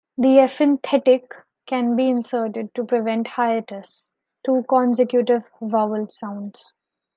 The epenthetic can be inserted to prevent hiatus, two consecutive vowel sounds.